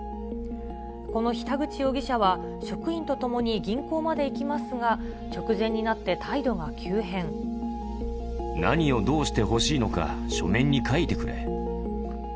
この日、田口容疑者は職員と共に銀行まで行きますが、直前になって態度が何をどうしてほしいのか、書面に書いてくれ。